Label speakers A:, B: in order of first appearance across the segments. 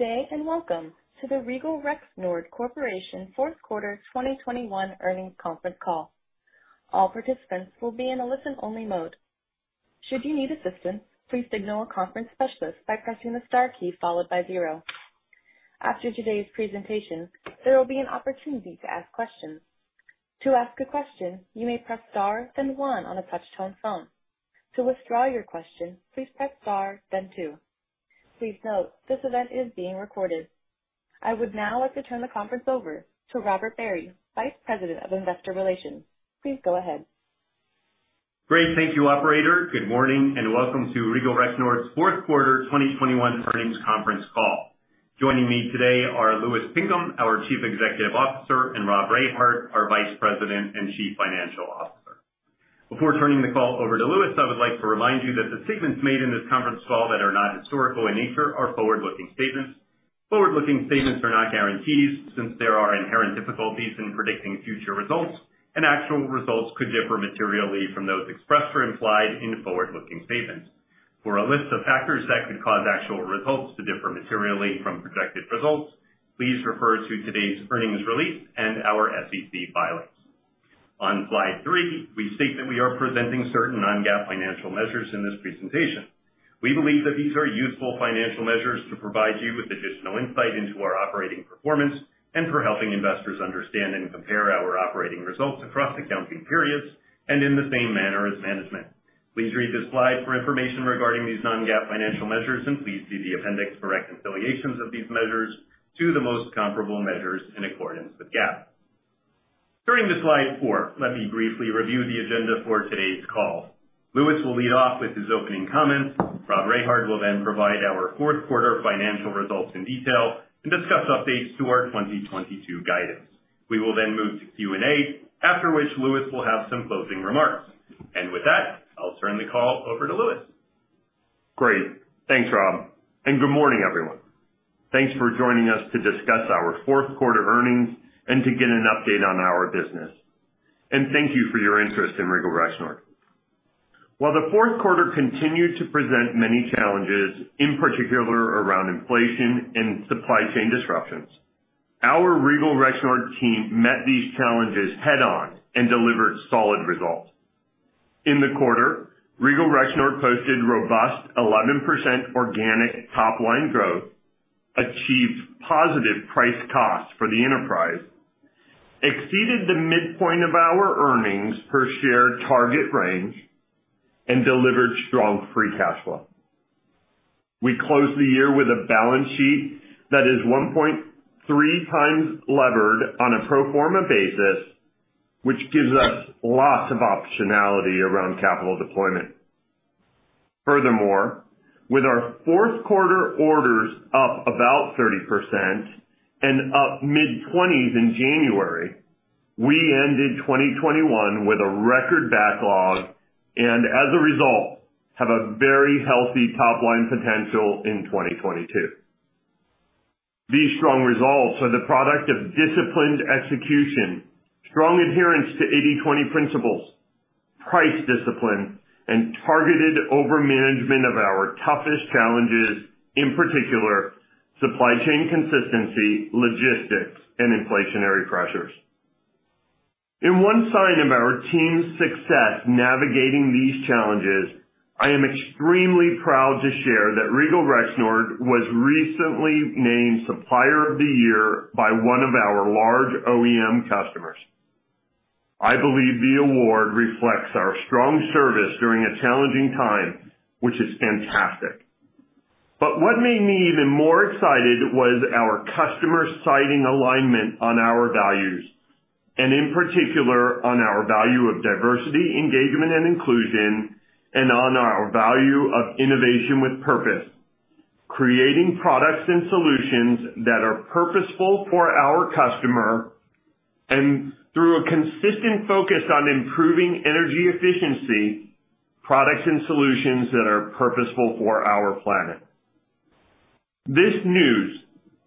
A: Day and welcome to the Regal Rexnord Corporation fourth quarter 2021 earnings conference call. All participants will be in a listen-only mode. Should you need assistance, please signal a conference specialist by pressing the star key followed by zero. After today's presentation, there will be an opportunity to ask questions. To ask a question, you may press star then one on a touch-tone phone. To withdraw your question, please press star then two. Please note, this event is being recorded. I would now like to turn the conference over to Robert Barry, Vice President of Investor Relations. Please go ahead.
B: Great. Thank you, operator. Good morning and welcome to Regal Rexnord's fourth quarter 2021 earnings conference call. Joining me today are Louis Pinkham, our Chief Executive Officer, and Rob Rehard, our Vice President and Chief Financial Officer. Before turning the call over to Louis, I would like to remind you that the statements made in this conference call that are not historical in nature are forward-looking statements. Forward-looking statements are not guarantees, since there are inherent difficulties in predicting future results, and actual results could differ materially from those expressed or implied in forward-looking statements. For a list of factors that could cause actual results to differ materially from projected results, please refer to today's earnings release and our SEC filings. On Slide 3, we state that we are presenting certain non-GAAP financial measures in this presentation. We believe that these are useful financial measures to provide you with additional insight into our operating performance and for helping investors understand and compare our operating results across accounting periods and in the same manner as management. Please read this slide for information regarding these non-GAAP financial measures, and please see the appendix for reconciliations of these measures to the most comparable measures in accordance with GAAP. Turning to Slide 4, let me briefly review the agenda for today's call. Louis Pinkham will lead off with his opening comments. Rob Rehard will then provide our fourth quarter financial results in detail and discuss updates to our 2022 guidance. We will then move to Q&A, after which Louis Pinkham will have some closing remarks. With that, I'll turn the call over to Louis Pinkham.
C: Great. Thanks, Rob, and good morning, everyone. Thanks for joining us to discuss our fourth quarter earnings and to get an update on our business. Thank you for your interest in Regal Rexnord. While the fourth quarter continued to present many challenges, in particular around inflation and supply chain disruptions, our Regal Rexnord team met these challenges head on and delivered solid results. In the quarter, Regal Rexnord posted robust 11% organic top-line growth, achieved positive price cost for the enterprise, exceeded the midpoint of our earnings per share target range, and delivered strong free cash flow. We closed the year with a balance sheet that is 1.3 times levered on a pro forma basis, which gives us lots of optionality around capital deployment. Furthermore, with our fourth quarter orders up about 30% and up mid-20s% in January, we ended 2021 with a record backlog and as a result have a very healthy top-line potential in 2022. These strong results are the product of disciplined execution, strong adherence to 80/20 principles, price discipline, and targeted overmanagement of our toughest challenges, in particular supply chain consistency, logistics, and inflationary pressures. In one sign of our team's success navigating these challenges, I am extremely proud to share that Regal Rexnord was recently named Supplier of the Year by one of our large OEM customers. I believe the award reflects our strong service during a challenging time, which is fantastic. What made me even more excited was our customer citing alignment on our values and in particular on our value of diversity, engagement, and inclusion, and on our value of innovation with purpose, creating products and solutions that are purposeful for our customer and through a consistent focus on improving energy efficiency, products and solutions that are purposeful for our planet. This news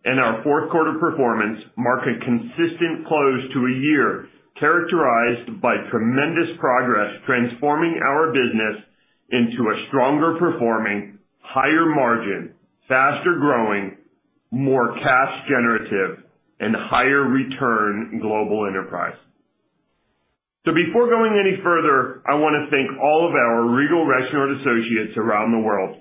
C: and our fourth quarter performance mark a consistent close to a year characterized by tremendous progress, transforming our business into a stronger performing, higher margin, faster growing, more cash generative, and higher return global enterprise. Before going any further, I wanna thank all of our Regal Rexnord associates around the world.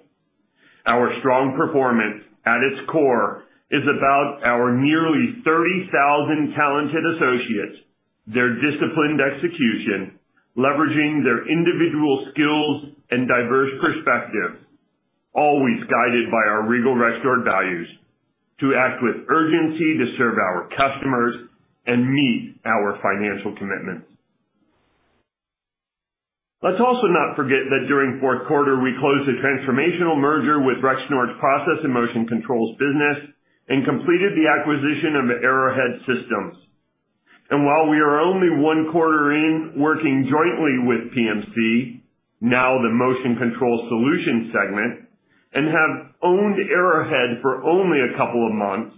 C: Our strong performance at its core is about our nearly 30,000 talented associates, their disciplined execution, leveraging their individual skills and diverse perspectives, always guided by our Regal Rexnord values to act with urgency to serve our customers and meet our financial commitments. Let's also not forget that during fourth quarter we closed a transformational merger with Rexnord's Process and Motion Controls business and completed the acquisition of Arrowhead Systems. While we are only one quarter in working jointly with PMC, now the Motion Control Solutions segment, and have owned Arrowhead for only a couple of months.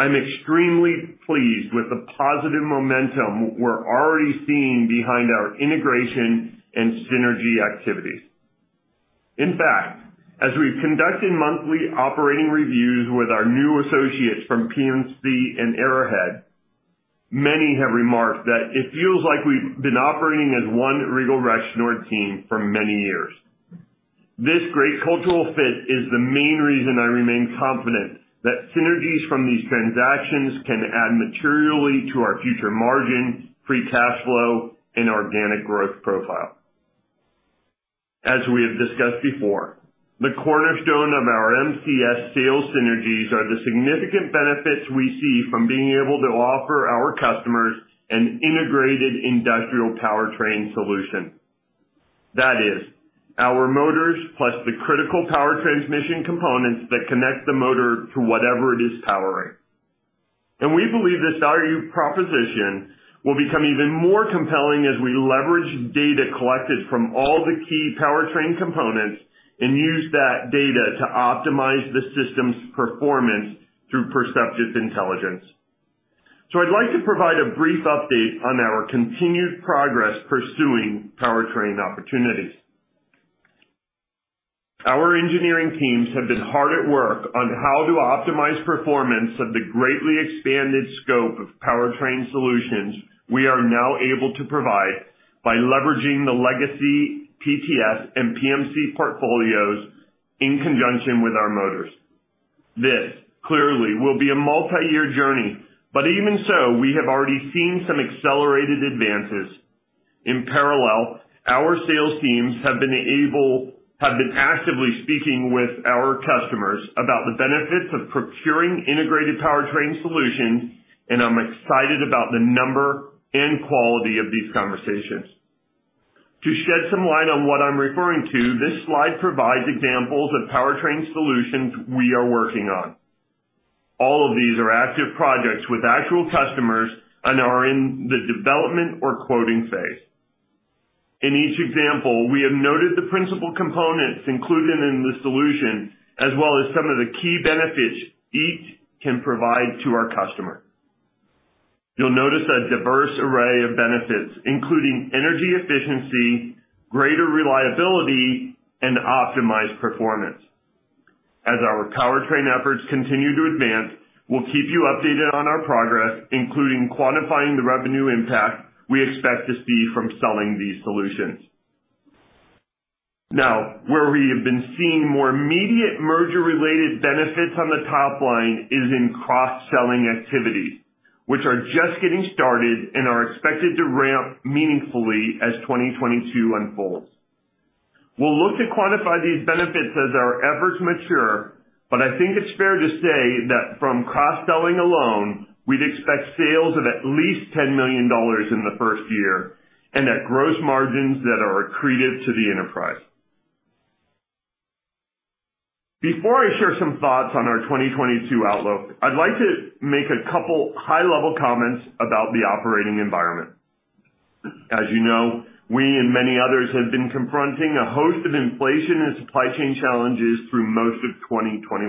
C: I'm extremely pleased with the positive momentum we're already seeing behind our integration and synergy activities. In fact, as we've conducted monthly operating reviews with our new associates from PMC and Arrowhead, many have remarked that it feels like we've been operating as one Regal Rexnord team for many years. This great cultural fit is the main reason I remain confident that synergies from these transactions can add materially to our future margin, free cash flow, and organic growth profile. As we have discussed before, the cornerstone of our MCS sales synergies are the significant benefits we see from being able to offer our customers an integrated industrial powertrain solution. That is, our motors plus the critical power transmission components that connect the motor to whatever it is powering. We believe this value proposition will become even more compelling as we leverage data collected from all the key powertrain components and use that data to optimize the system's performance through Perceptiv Intelligence. I'd like to provide a brief update on our continued progress pursuing powertrain opportunities. Our engineering teams have been hard at work on how to optimize performance of the greatly expanded scope of powertrain solutions we are now able to provide by leveraging the legacy PTS and PMC portfolios in conjunction with our motors. This clearly will be a multi-year journey, but even so, we have already seen some accelerated advances. In parallel, our sales teams have been actively speaking with our customers about the benefits of procuring integrated powertrain solutions, and I'm excited about the number and quality of these conversations. To shed some light on what I'm referring to, this slide provides examples of powertrain solutions we are working on. All of these are active projects with actual customers and are in the development or quoting phase. In each example, we have noted the principal components included in the solution, as well as some of the key benefits each can provide to our customer. You'll notice a diverse array of benefits, including energy efficiency, greater reliability, and optimized performance. As our powertrain efforts continue to advance, we'll keep you updated on our progress, including quantifying the revenue impact we expect to see from selling these solutions. Now, where we have been seeing more immediate merger-related benefits on the top line is in cross-selling activities, which are just getting started and are expected to ramp meaningfully as 2022 unfolds. We'll look to quantify these benefits as our efforts mature, but I think it's fair to say that from cross-selling alone, we'd expect sales of at least $10 million in the first year and at gross margins that are accretive to the enterprise. Before I share some thoughts on our 2022 outlook, I'd like to make a couple high-level comments about the operating environment. As you know, we and many others have been confronting a host of inflation and supply chain challenges through most of 2021.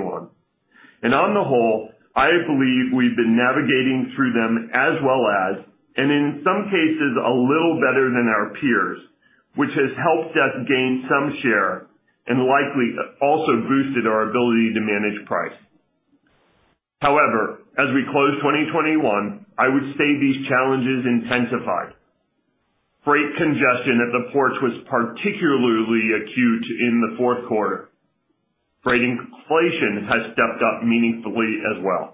C: On the whole, I believe we've been navigating through them as well as, and in some cases, a little better than our peers, which has helped us gain some share and likely also boosted our ability to manage price. However, as we close 2021, I would say these challenges intensified. Freight congestion at the ports was particularly acute in the fourth quarter. Freight inflation has stepped up meaningfully as well.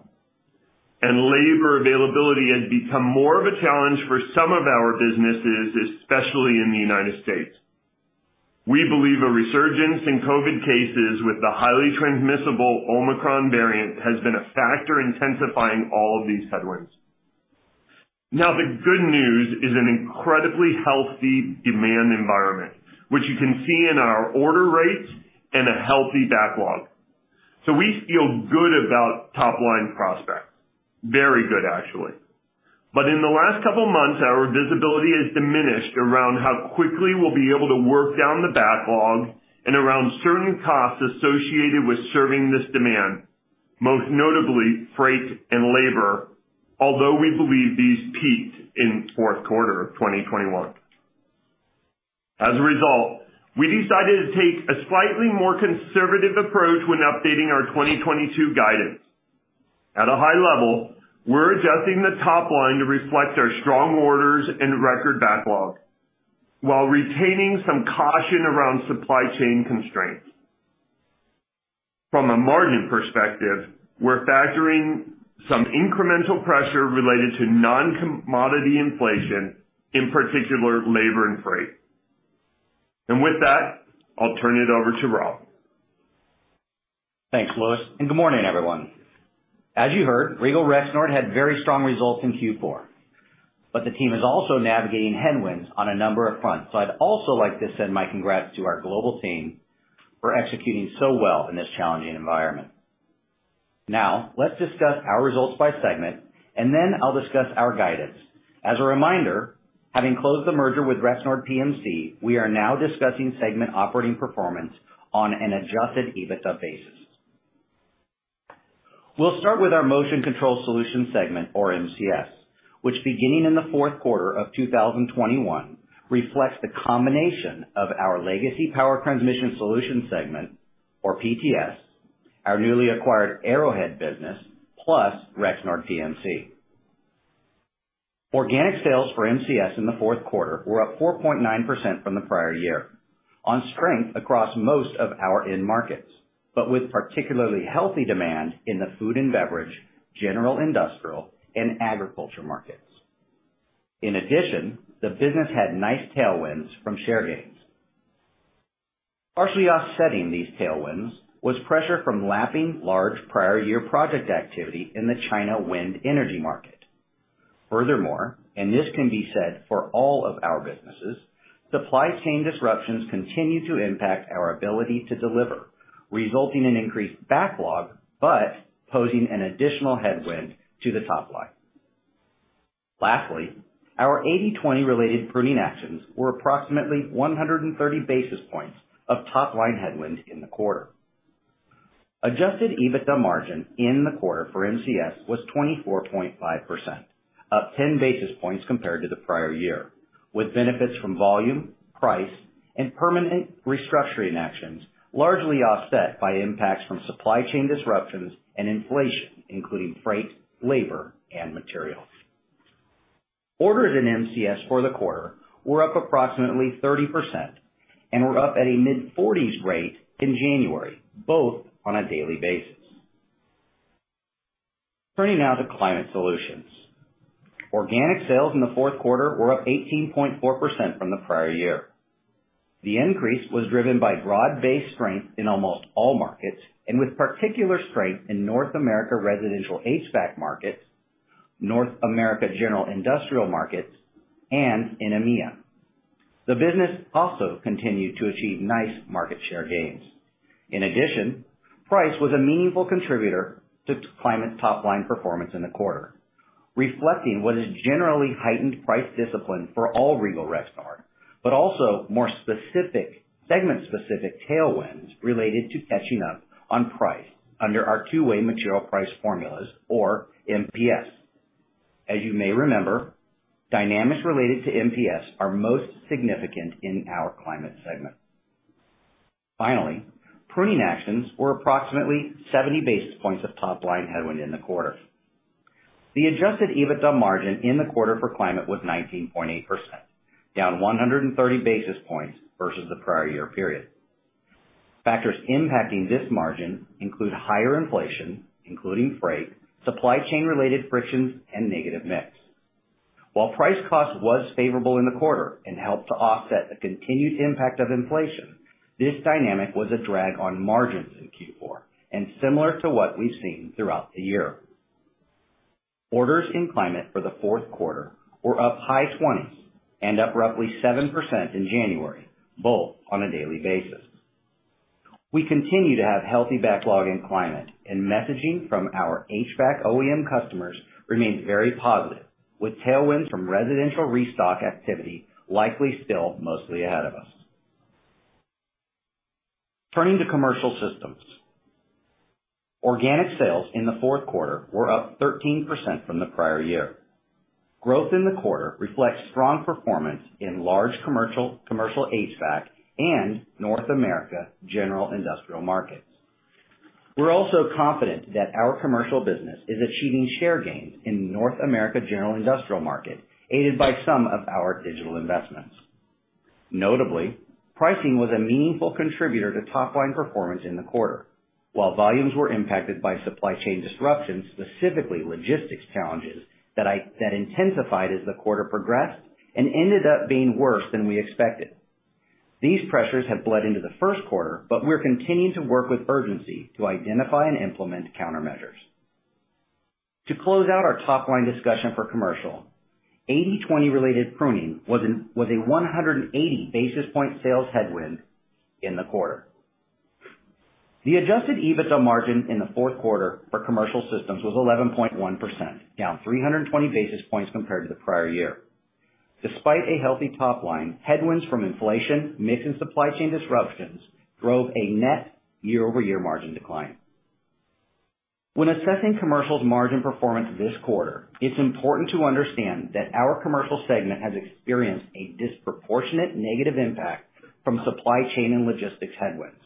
C: Labor availability has become more of a challenge for some of our businesses, especially in the United States. We believe a resurgence in COVID-19 cases with the highly transmissible Omicron variant has been a factor intensifying all of these headwinds. Now, the good news is an incredibly healthy demand environment, which you can see in our order rates and a healthy backlog. We feel good about top-line prospects. Very good, actually. In the last couple of months, our visibility has diminished around how quickly we'll be able to work down the backlog and around certain costs associated with serving this demand, most notably freight and labor, although we believe these peaked in fourth quarter of 2021. As a result, we decided to take a slightly more conservative approach when updating our 2022 guidance. At a high level, we're adjusting the top line to reflect our strong orders and record backlog while retaining some caution around supply chain constraints. From a margin perspective, we're factoring some incremental pressure related to non-commodity inflation, in particular, labor and freight. With that, I'll turn it over to Rob.
D: Thanks, Louis, and good morning, everyone. As you heard, Regal Rexnord had very strong results in Q4, but the team is also navigating headwinds on a number of fronts. I'd also like to send my congrats to our global team for executing so well in this challenging environment. Now, let's discuss our results by segment, and then I'll discuss our guidance. As a reminder, having closed the merger with Rexnord PMC, we are now discussing segment operating performance on an adjusted EBITDA basis. We'll start with our Motion Control Solutions segment, or MCS, which beginning in the fourth quarter of 2021 reflects the combination of our legacy Power Transmission Solutions segment, or PTS, our newly acquired Arrowhead business, plus Rexnord PMC. Organic sales for MCS in the fourth quarter were up 4.9% from the prior year on strength across most of our end markets, but with particularly healthy demand in the food and beverage, general industrial, and agriculture markets. In addition, the business had nice tailwinds from share gains. Partially offsetting these tailwinds was pressure from lapping large prior year project activity in the China wind energy market. Furthermore, and this can be said for all of our businesses, supply chain disruptions continue to impact our ability to deliver, resulting in increased backlog, but posing an additional headwind to the top line. Lastly, our 80/20-related pruning actions were approximately 130 basis points of top-line headwind in the quarter. Adjusted EBITDA margin in the quarter for MCS was 24.5%, up 10 basis points compared to the prior year, with benefits from volume, price, and permanent restructuring actions largely offset by impacts from supply chain disruptions and inflation, including freight, labor, and materials. Orders in MCS for the quarter were up approximately 30% and were up at a mid-40s% rate in January, both on a daily basis. Turning now to Climate Solutions. Organic sales in the fourth quarter were up 18.4% from the prior year. The increase was driven by broad-based strength in almost all markets and with particular strength in North America residential HVAC markets, North America general industrial markets, and in EMEA. The business also continued to achieve nice market share gains. In addition, price was a meaningful contributor to Climate top-line performance in the quarter, reflecting what is generally heightened price discipline for all Regal Rexnord, but also more specific, segment-specific tailwinds related to catching up on price under our two way material price formulas or MPS. As you may remember, dynamics related to MPS are most significant in our Climate segment. Finally, pruning actions were approximately 70 basis points of top line headwind in the quarter. The adjusted EBITDA margin in the quarter for Climate was 19.8%, down 130 basis points versus the prior year period. Factors impacting this margin include higher inflation, including freight, supply chain-related frictions, and negative mix. While price cost was favorable in the quarter and helped to offset the continued impact of inflation, this dynamic was a drag on margins in Q4 and similar to what we've seen throughout the year. Orders in Climate for the fourth quarter were up high twenties% and up roughly 7% in January, both on a daily basis. We continue to have healthy backlog in Climate and messaging from our HVAC OEM customers remains very positive, with tailwinds from residential restock activity likely still mostly ahead of us. Turning to Commercial Systems. Organic sales in the fourth quarter were up 13% from the prior year. Growth in the quarter reflects strong performance in large commercial HVAC, and North America general industrial markets. We're also confident that our commercial business is achieving share gains in North America general industrial market, aided by some of our digital investments. Notably, pricing was a meaningful contributor to top-line performance in the quarter. While volumes were impacted by supply chain disruptions, specifically logistics challenges that intensified as the quarter progressed and ended up being worse than we expected. These pressures have bled into the first quarter, but we're continuing to work with urgency to identify and implement countermeasures. To close out our top-line discussion for Commercial, 80/20 related pruning was a 180 basis point sales headwind in the quarter. The adjusted EBITDA margin in the fourth quarter for Commercial Systems was 11.1%, down 320 basis points compared to the prior year. Despite a healthy top line, headwinds from inflation, mix, and supply chain disruptions drove a net year-over-year margin decline. When assessing Commercial's margin performance this quarter, it's important to understand that our Commercial segment has experienced a disproportionate negative impact from supply chain and logistics headwinds.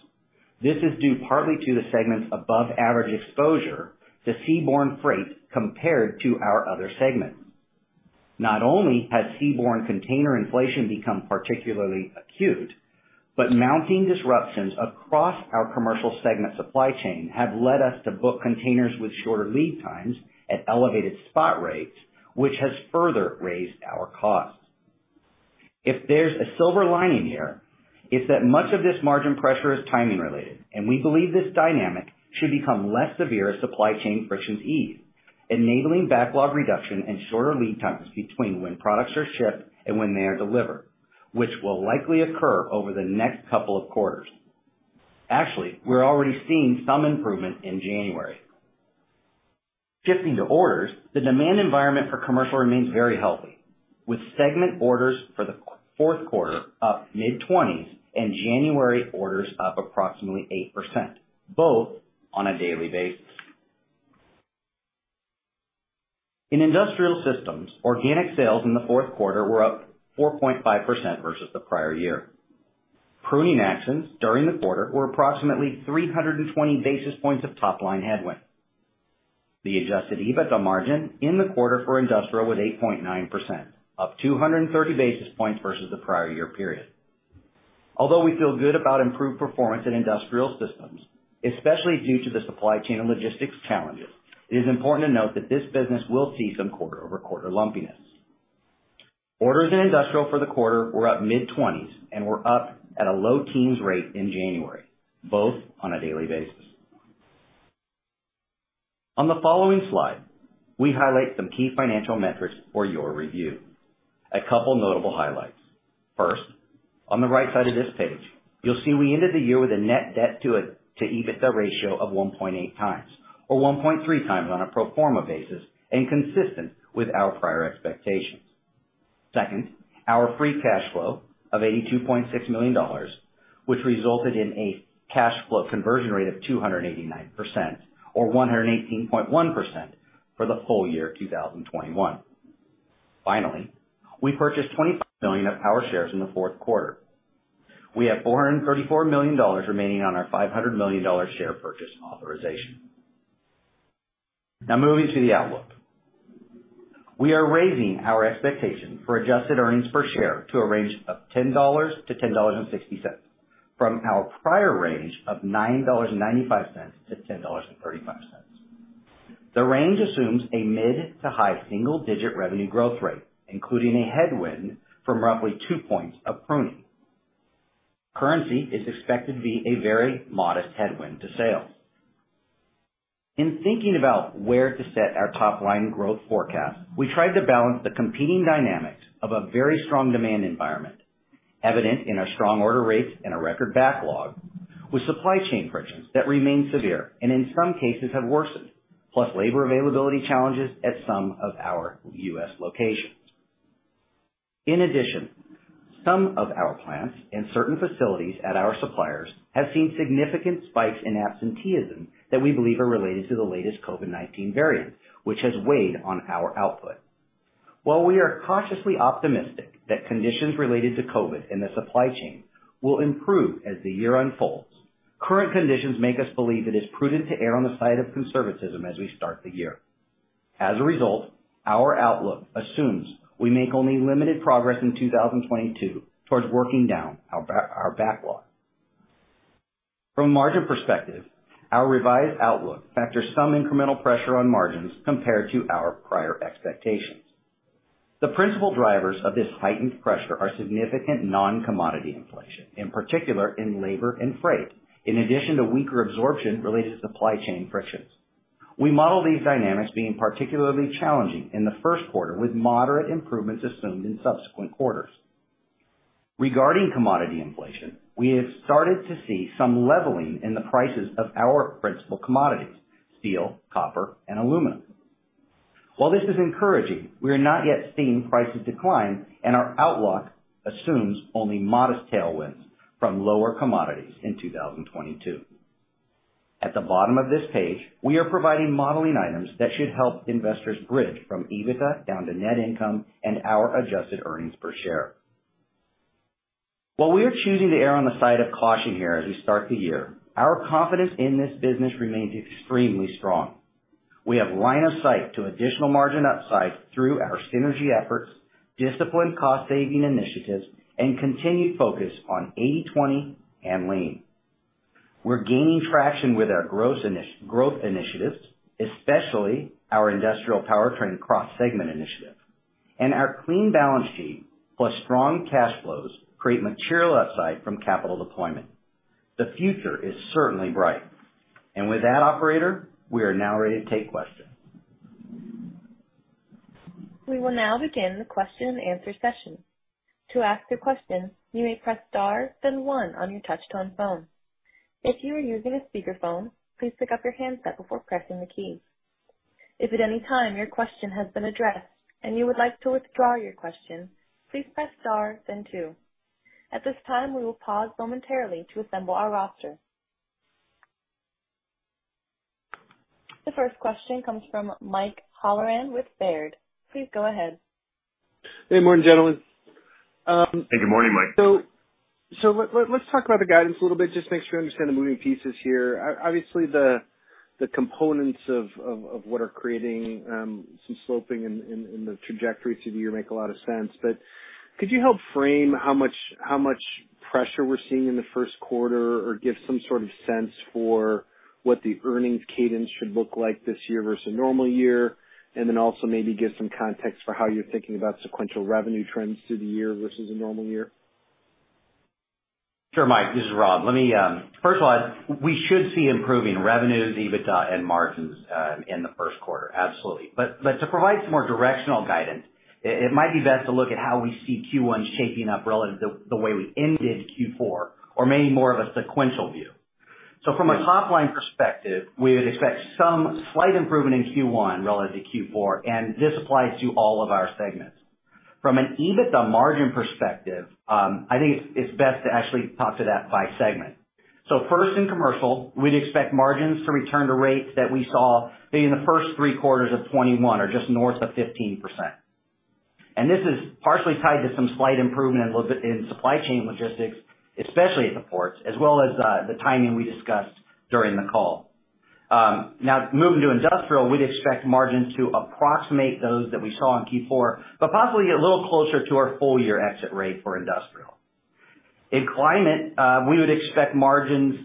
D: This is due partly to the segment's above-average exposure to seaborne freight compared to our other segments. Not only has seaborne container inflation become particularly acute, but mounting disruptions across our Commercial segment supply chain have led us to book containers with shorter lead times at elevated spot rates, which has further raised our costs. If there's a silver lining here, it's that much of this margin pressure is timing related, and we believe this dynamic should become less severe as supply chain frictions ease, enabling backlog reduction and shorter lead times between when products are shipped and when they are delivered, which will likely occur over the next couple of quarters. Actually, we're already seeing some improvement in January. Shifting to orders, the demand environment for commercial remains very healthy, with segment orders for the fourth quarter up mid-20s and January orders up approximately 8%, both on a daily basis. In industrial systems, organic sales in the fourth quarter were up 4.5% versus the prior year. Pruning actions during the quarter were approximately 320 basis points of top-line headwind. The adjusted EBITDA margin in the quarter for industrial was 8.9%, up 230 basis points versus the prior year period. Although we feel good about improved performance in industrial systems, especially due to the supply chain logistics challenges, it is important to note that this business will see some quarter-over-quarter lumpiness. Orders in industrial for the quarter were up mid-20s% and were up at a low-teens percent rate in January, both on a daily basis. On the following slide, we highlight some key financial metrics for your review. A couple notable highlights. First, on the right side of this page, you'll see we ended the year with a net debt to EBITDA ratio of 1.8x, or 1.3x on a pro forma basis, and consistent with our prior expectations. Second, our free cash flow of $82.6 million, which resulted in a cash flow conversion rate of 289% or 118.1% for the full year 2021. Finally, we purchased 20 million of our shares in the fourth quarter. We have $434 million remaining on our $500 million share purchase authorization. Now moving to the outlook. We are raising our expectation for adjusted earnings per share to a range of $10-$10.60 from our prior range of $9.95-$10.35. The range assumes a mid- to high single-digit revenue growth rate, including a headwind from roughly two points of pruning. Currency is expected to be a very modest headwind to sales. In thinking about where to set our top line growth forecast, we tried to balance the competing dynamics of a very strong demand environment, evident in our strong order rates and a record backlog with supply chain frictions that remain severe and in some cases have worsened, plus labor availability challenges at some of our U.S. locations. In addition, some of our plants and certain facilities at our suppliers have seen significant spikes in absenteeism that we believe are related to the latest COVID-19 variant, which has weighed on our output. While we are cautiously optimistic that conditions related to COVID in the supply chain will improve as the year unfolds, current conditions make us believe it is prudent to err on the side of conservatism as we start the year. As a result, our outlook assumes we make only limited progress in 2022 towards working down our backlog. From a margin perspective, our revised outlook factors some incremental pressure on margins compared to our prior expectations. The principal drivers of this heightened pressure are significant non-commodity inflation, in particular in labor and freight, in addition to weaker absorption related to supply chain frictions. We model these dynamics being particularly challenging in the first quarter, with moderate improvements assumed in subsequent quarters. Regarding commodity inflation, we have started to see some leveling in the prices of our principal commodities, steel, copper, and aluminum. While this is encouraging, we are not yet seeing prices decline, and our outlook assumes only modest tailwinds from lower commodities in 2022. At the bottom of this page, we are providing modeling items that should help investors bridge from EBITDA down to net income and our adjusted earnings per share. While we are choosing to err on the side of caution here as we start the year, our confidence in this business remains extremely strong. We have line of sight to additional margin upside through our synergy efforts, disciplined cost-saving initiatives, and continued focus on 80/20 and lean. We're gaining traction with our growth initiatives, especially our industrial powertrain cross-segment initiative. Our clean balance sheet plus strong cash flows create material upside from capital deployment. The future is certainly bright. With that, operator, we are now ready to take questions.
A: We will now begin the question and answer session. To ask a question, you may press star then one on your touch-tone phone. If you are using a speakerphone, please pick up your handset before pressing the key. If at any time your question has been addressed and you would like to withdraw your question, please press star then two. At this time, we will pause momentarily to assemble our roster. The first question comes from Mike Halloran with Baird. Please go ahead.
E: Good morning, gentlemen.
C: Good morning, Mike.
E: Let's talk about the guidance a little bit, just make sure I understand the moving pieces here. Obviously, the components of what are creating some sloping in the trajectory through the year make a lot of sense. Could you help frame how much pressure we're seeing in the first quarter or give some sort of sense for what the earnings cadence should look like this year versus a normal year? Also maybe give some context for how you're thinking about sequential revenue trends through the year versus a normal year.
D: Sure, Mike, this is Rob. First of all, we should see improving revenues, EBITDA, and margins in the first quarter. Absolutely. But to provide some more directional guidance, it might be best to look at how we see Q1 shaping up relative to the way we ended Q4, or maybe more of a sequential view. From a top-line perspective, we would expect some slight improvement in Q1 relative to Q4, and this applies to all of our segments. From an EBITDA margin perspective, I think it's best to actually talk to that by segment. First in Commercial, we'd expect margins to return to rates that we saw maybe in the first three quarters of 2021 or just north of 15%. This is partially tied to some slight improvement in supply chain logistics, especially at the ports, as well as the timing we discussed during the call. Now moving to industrial, we'd expect margins to approximate those that we saw in Q4, but possibly get a little closer to our full year exit rate for industrial. In climate, we would expect margins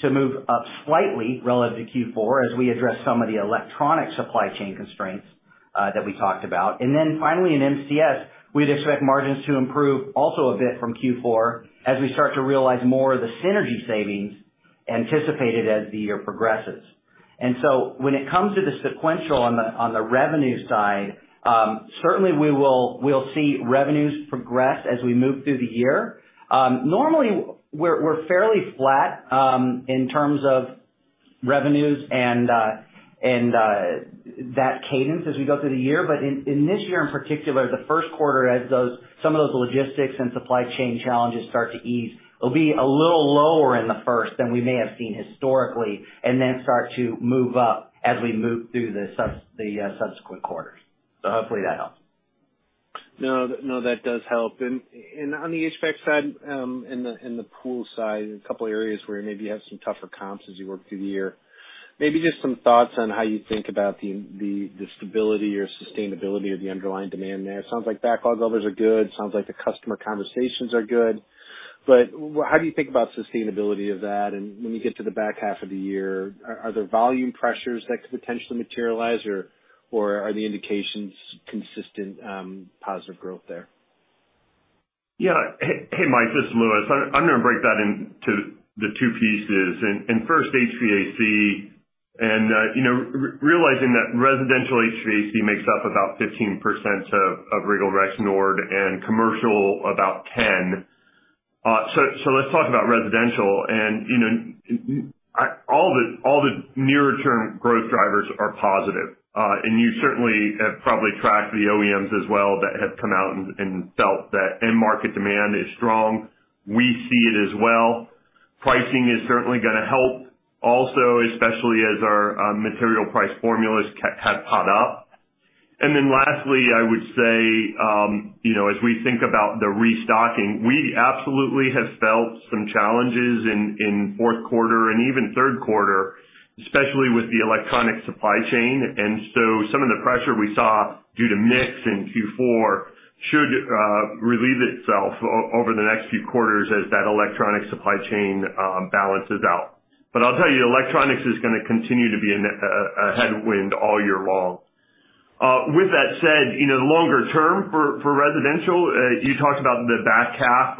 D: to move up slightly relative to Q4 as we address some of the electronic supply chain constraints that we talked about. Finally in MCS, we'd expect margins to improve also a bit from Q4 as we start to realize more of the synergy savings anticipated as the year progresses. When it comes to the sequential on the revenue side, certainly we'll see revenues progress as we move through the year. Normally we're fairly flat in terms of revenues and that cadence as we go through the year. In this year in particular, the first quarter as some of those logistics and supply chain challenges start to ease, it'll be a little lower in the first than we may have seen historically, and then start to move up as we move through the subsequent quarters. Hopefully that helps.
E: No, no, that does help. On the HVAC side, in the pool side, a couple areas where maybe you have some tougher comps as you work through the year. Maybe just some thoughts on how you think about the stability or sustainability of the underlying demand there. It sounds like backlog orders are good. Sounds like the customer conversations are good. How do you think about sustainability of that and when you get to the back half of the year, are there volume pressures that could potentially materialize or are the indications consistent, positive growth there?
C: Yeah. Hey, Mike Halloran, this is Louis Pinkham. I'm gonna break that into the two pieces and first HVAC and you know realizing that residential HVAC makes up about 15% of Regal Rexnord and commercial about 10%. So let's talk about residential. You know all the near-term growth drivers are positive. And you certainly have probably tracked the OEMs as well that have come out and felt that end market demand is strong. We see it as well. Pricing is certainly gonna help also, especially as our material price formulas have caught up. And then lastly, I would say you know as we think about the restocking. We absolutely have felt some challenges in fourth quarter and even third quarter, especially with the electronic supply chain. Some of the pressure we saw due to mix in Q4 should relieve itself over the next few quarters as that electronic supply chain balances out. I'll tell you, electronics is gonna continue to be a headwind all year long. With that said, you know, longer term for residential, you talked about the back half.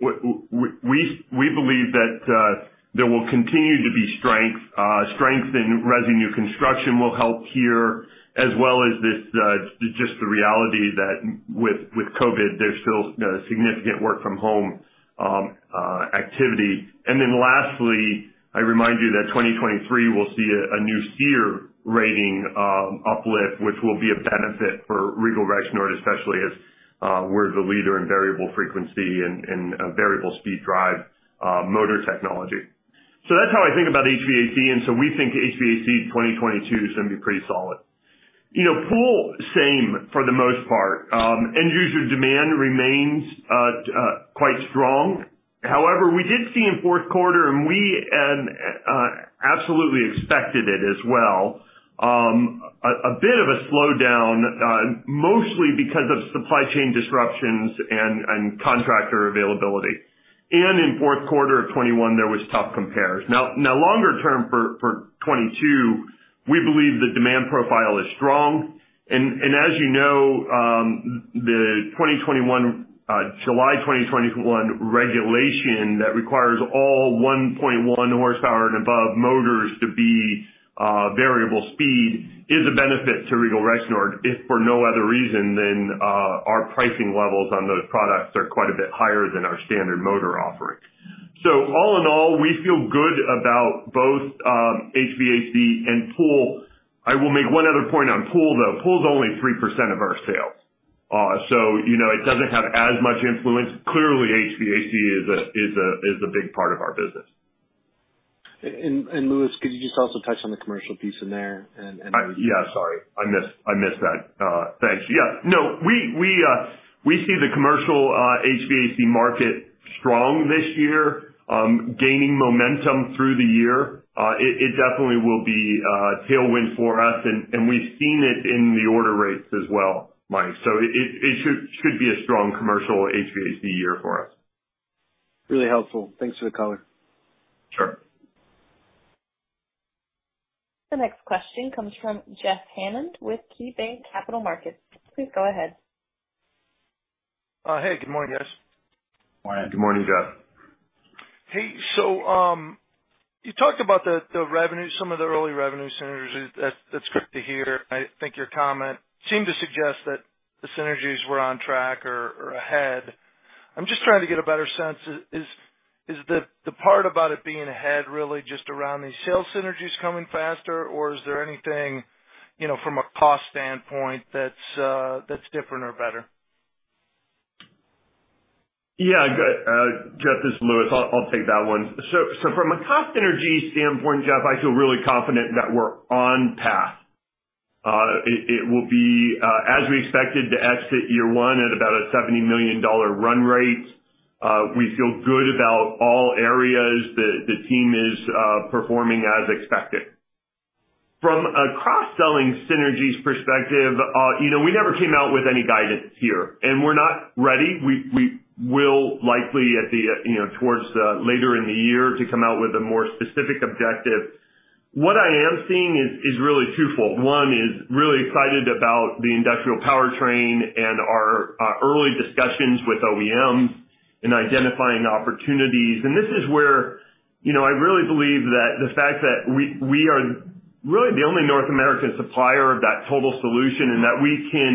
C: We believe that there will continue to be strength. Strength in res and new construction will help here, as well as this just the reality that with COVID, there's still significant work from home activity. Then lastly, I remind you that 2023 will see a new SEER rating uplift, which will be a benefit for Regal Rexnord, especially as we're the leader in variable frequency and variable speed drive motor technology. That's how I think about HVAC. We think HVAC 2022 is gonna be pretty solid. You know, pool, same for the most part. End user demand remains quite strong. However, we did see in fourth quarter, and we absolutely expected it as well, a bit of a slowdown, mostly because of supply chain disruptions and contractor availability. In fourth quarter of 2021, there was tough compares. Now longer term for 2022, we believe the demand profile is strong. As you know, the 2021 July 2021 regulation that requires all 1.1 horsepower and above motors to be variable speed is a benefit to Regal Rexnord, if for no other reason than our pricing levels on those products are quite a bit higher than our standard motor offerings. All in all, we feel good about both HVAC and pool. I will make one other point on pool, though. Pool is only 3% of our sales. So you know, it doesn't have as much influence. Clearly, HVAC is a big part of our business.
E: Louis, could you just also touch on the commercial piece in there.
C: Yeah, sorry, I missed that. Thanks. Yeah, no, we see the commercial HVAC market strong this year, gaining momentum through the year. It definitely will be a tailwind for us, and we've seen it in the order rates as well, Mike, so it should be a strong commercial HVAC year for us.
E: Really helpful. Thanks for the color.
C: Sure.
A: The next question comes from Jeff Hammond with KeyBanc Capital Markets. Please go ahead.
F: Hey, good morning, guys.
D: Good morning.
C: Good morning, Jeff.
F: Hey, you talked about the revenue, some of the early revenue synergies. That's great to hear. I think your comment seemed to suggest that the synergies were on track or ahead. I'm just trying to get a better sense. Is the part about it being ahead really just around these sales synergies coming faster, or is there anything, you know, from a cost standpoint that's different or better?
C: Jeff, this is Louis. I'll take that one. From a cost synergy standpoint, Jeff, I feel really confident that we're on track. It will be as we expected to exit year one at about a $70 million run rate. We feel good about all areas. The team is performing as expected. From a cross-selling synergies perspective, you know, we never came out with any guidance here, and we're not ready. We will likely, you know, towards later in the year to come out with a more specific objective. What I am seeing is really twofold. I'm really excited about the industrial powertrain and our early discussions with OEM in identifying opportunities. This is where, you know, I really believe that the fact that we are really the only North American supplier of that total solution, and that we can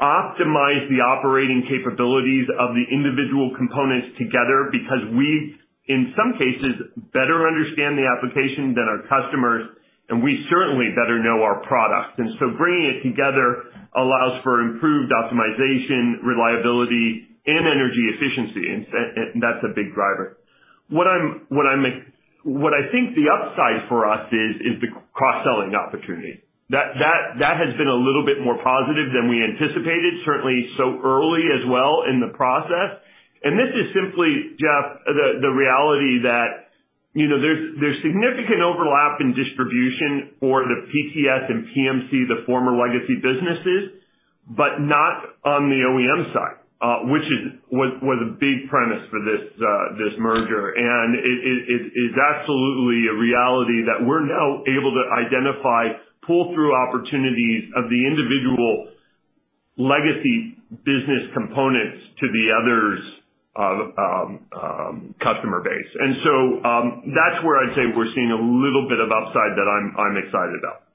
C: optimize the operating capabilities of the individual components together because we, in some cases, better understand the application than our customers, and we certainly better know our product. Bringing it together allows for improved optimization, reliability, and energy efficiency, and that's a big driver. What I think the upside for us is the cross-selling opportunity. That has been a little bit more positive than we anticipated, certainly so early as well in the process. This is simply, Jeff, the reality that, you know, there's significant overlap in distribution for the PTS and PMC, the former legacy businesses, but not on the OEM side, which was a big premise for this merger. It's absolutely a reality that we're now able to identify pull-through opportunities of the individual legacy business components to the others' customer base. That's where I'd say we're seeing a little bit of upside that I'm excited about.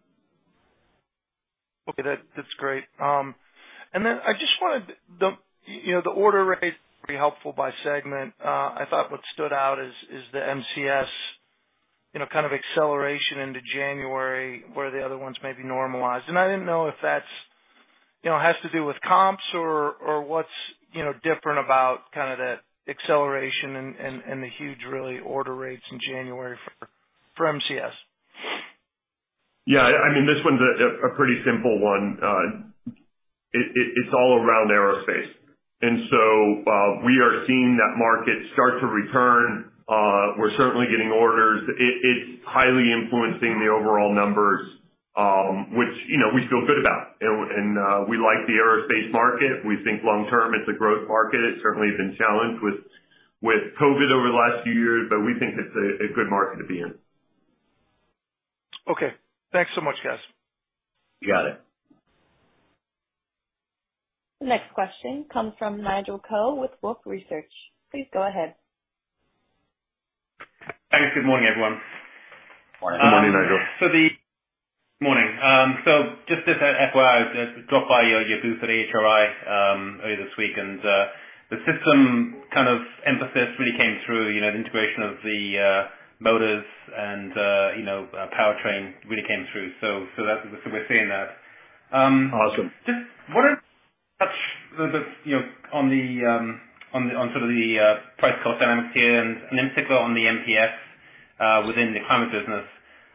F: Okay. That's great. I just wanted, you know, the order rate pretty helpful by segment. I thought what stood out is the MCS, you know, kind of acceleration into January, where the other ones may be normalized. I didn't know if that's, you know, has to do with comps or what's, you know, different about kind of that acceleration and the huge really order rates in January for MCS.
C: Yeah. I mean, this one's a pretty simple one. It's all around aerospace. We are seeing that market start to return. We're certainly getting orders. It's highly influencing the overall numbers, which, you know, we feel good about. We like the aerospace market. We think long term, it's a growth market. It certainly has been challenged with COVID over the last few years, but we think it's a good market to be in.
F: Okay. Thanks so much, guys.
C: You got it.
A: The next question comes from Nigel Coe with Wolfe Research. Please go ahead.
G: Thanks. Good morning, everyone.
D: Morning.
C: Good morning, Nigel.
G: Good morning. Just as an FYI, I dropped by your booth at AHR earlier this week, and the systems integration emphasis really came through, you know, the integration of the motors and powertrain really came through. That's what we're seeing.
C: Awesome.
G: Just wanted to touch a little bit, you know, on sort of the price cost dynamics here and in particular on the MPS within the climate business.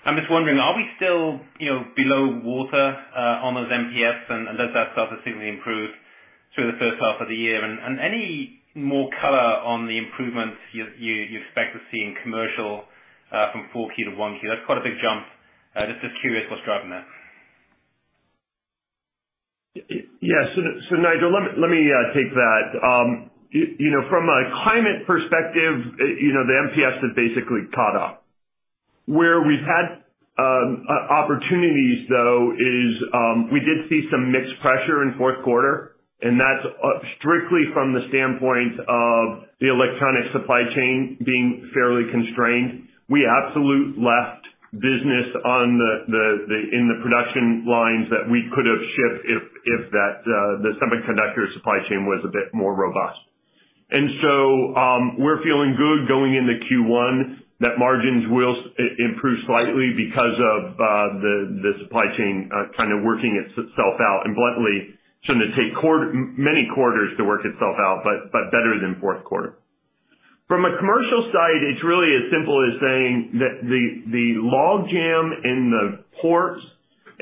G: I'm just wondering, are we still, you know, below water on those MPS and does that start to significantly improve through the first half of the year? Any more color on the improvements you expect to see in commercial from 4Q-1Q? That's quite a big jump. Just curious what's driving that.
C: Yes. Nigel, let me take that. You know, from a climate perspective, you know, the MPS have basically caught up. Where we've had opportunities though is, we did see some mixed pressure in fourth quarter, and that's strictly from the standpoint of the electronic supply chain being fairly constrained. We absolutely left business on the table in the production lines that we could have shipped if the semiconductor supply chain was a bit more robust. We're feeling good going into Q1 that margins will improve slightly because of the supply chain kind of working itself out. Bluntly, it's going to take many quarters to work itself out, but better than fourth quarter. From a commercial side, it's really as simple as saying that the log jam in the ports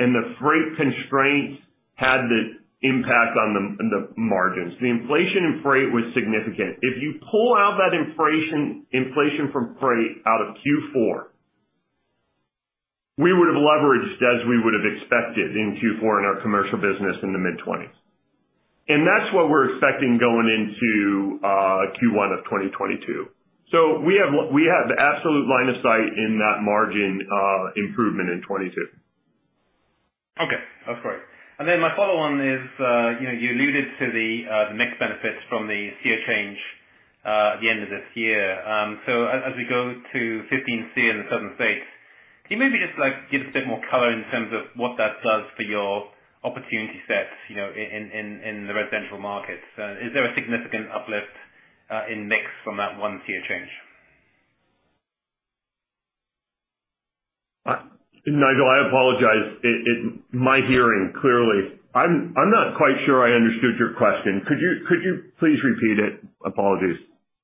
C: and the freight constraints had the impact on the margins. The inflation in freight was significant. If you pull out that inflation from freight out of Q4, we would have leveraged as we would have expected in Q4 in our commercial business in the mid-20s%. That's what we're expecting going into Q1 of 2022. We have absolute line of sight in that margin improvement in 2022.
G: Okay. That's great. My follow-on is, you know, you alluded to the mixed benefits from the SEER change at the end of this year. As we go to 15 SEER in the Southern states, can you maybe just, like, give us a bit more color in terms of what that does for your opportunity set, you know, in the residential markets? Is there a significant uplift in mix from that one SEER change?
C: Nigel, I apologize. It's my hearing, clearly. I'm not quite sure I understood your question. Could you please repeat it? Apologies.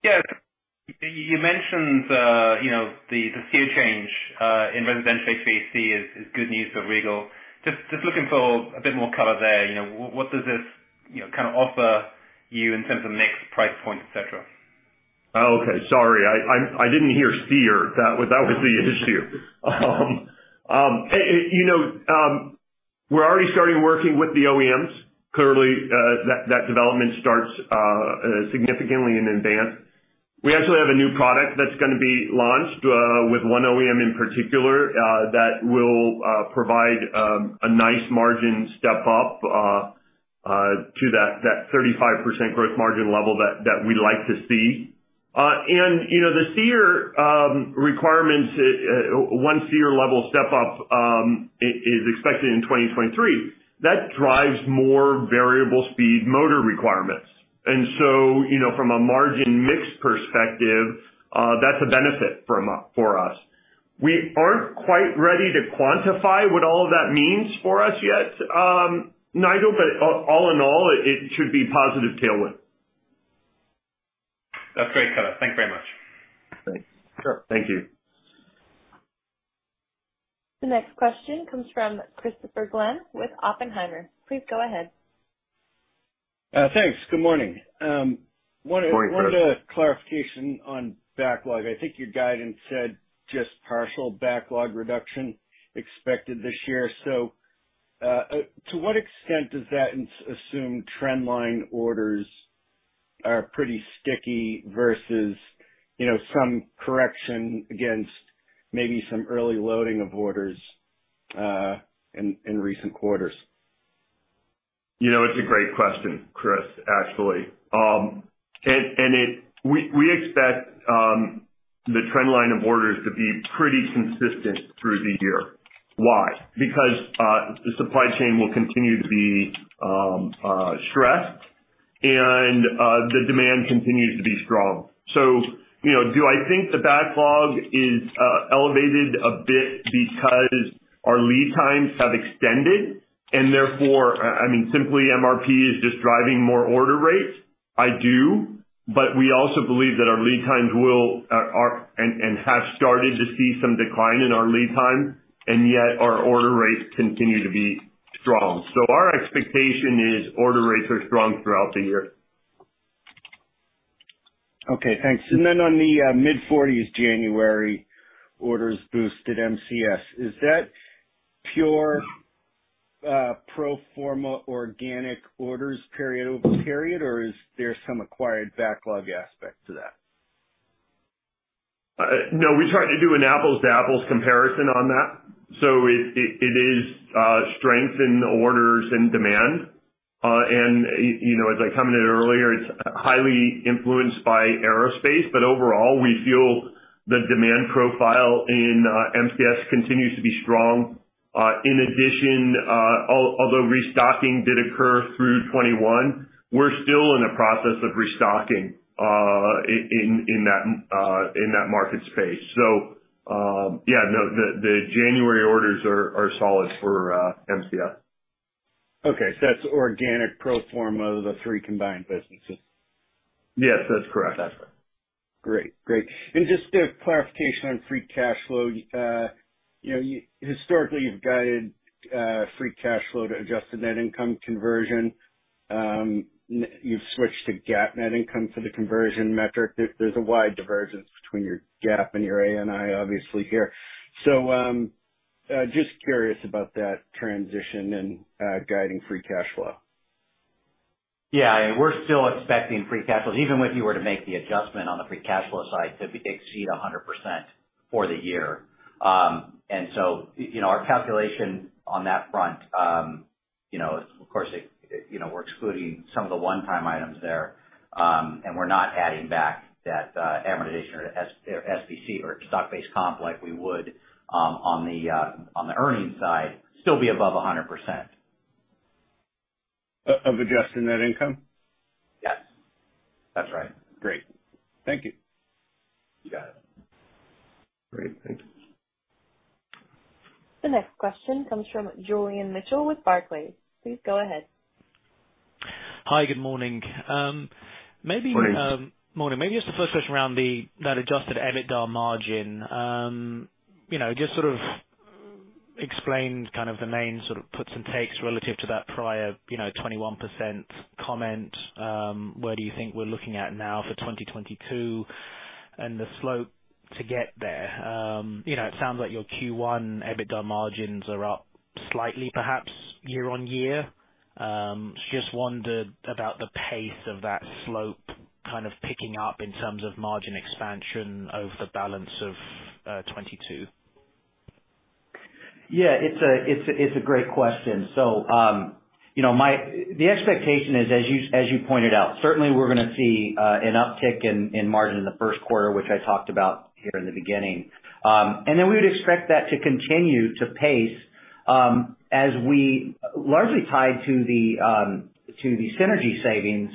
G: Yeah. You mentioned, you know, the SEER change in residential HVAC is good news for Regal. Just looking for a bit more color there. You know, what does this, you know, kind of offer you in terms of mix, price point, et cetera?
C: Oh, okay. Sorry. I didn't hear SEER. That was the issue. You know, we're already starting working with the OEMs. Clearly, that development starts significantly in advance. We actually have a new product that's gonna be launched with one OEM in particular that will provide a nice margin step up to that 35% gross margin level that we like to see. You know, the SEER requirements one SEER level step up is expected in 2023. That drives more variable speed motor requirements. You know, from a margin mix perspective, that's a benefit for us. We aren't quite ready to quantify what all of that means for us yet, Nigel, but all in all, it should be positive tailwind.
G: That's great color. Thanks very much.
C: Thanks.
G: Sure.
C: Thank you.
A: The next question comes from Christopher Glynn with Oppenheimer. Please go ahead.
H: Thanks. Good morning.
C: Morning, Chris.
H: One clarification on backlog. I think your guidance said just partial backlog reduction expected this year. To what extent does that assume trend line orders are pretty sticky versus, you know, some correction against maybe some early loading of orders, in recent quarters?
C: You know, it's a great question, Chris, actually. We expect the trend line of orders to be pretty consistent through the year. Why? Because the supply chain will continue to be stressed, and the demand continues to be strong. You know, do I think the backlog is elevated a bit because our lead times have extended and therefore, I mean, simply MRP is just driving more order rates? I do, but we also believe that our lead times have started to see some decline in our lead time, and yet our order rates continue to be strong. Our expectation is order rates are strong throughout the year.
H: Okay, thanks. On the mid-40s January orders boost at MCS, is that pure pro forma organic orders period over period, or is there some acquired backlog aspect to that?
C: No, we try to do an apples-to-apples comparison on that. It is strength in orders and demand. You know, as I commented earlier, it's highly influenced by aerospace, but overall, we feel the demand profile in MCS continues to be strong. Although restocking did occur through 2021, we're still in the process of restocking in that market space. The January orders are solid for MCS.
H: Okay. That's organic pro forma of the three combined businesses?
C: Yes, that's correct.
H: Gotcha. Great. Just a clarification on free cash flow. You know, you historically have guided free cash flow to adjusted net income conversion. You've switched to GAAP net income for the conversion metric. There's a wide divergence between your GAAP and your ANI, obviously here. Just curious about that transition and guiding free cash flow.
D: Yeah. We're still expecting free cash flow, even if you were to make the adjustment on the free cash flow side, to exceed 100% for the year. You know, our calculation on that front, you know, of course, it, you know, we're excluding some of the one-time items there, and we're not adding back that amortization or SBC or stock-based comp like we would on the earnings side, still be above 100%.
C: Of adjusted net income?
D: Yes. That's right.
H: Great. Thank you.
D: You got it.
C: Great. Thank you.
A: The next question comes from Julian Mitchell with Barclays. Please go ahead.
I: Hi. Good morning.
C: Morning.
I: Morning. Maybe just the first question around that adjusted EBITDA margin. You know, just sort of explain kind of the main sort of puts and takes relative to that prior, you know, 21% comment. Where do you think we're looking at now for 2022 and the slope to get there? You know, it sounds like your Q1 EBITDA margins are up slightly perhaps year-on-year. Just wondered about the pace of that slope kind of picking up in terms of margin expansion over the balance of 2022?
D: Yeah. It's a great question. You know, the expectation is as you pointed out, certainly we're gonna see an uptick in margin in the first quarter, which I talked about here in the beginning. We would expect that to continue to pace as we largely tied to the synergy savings,